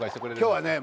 今日はね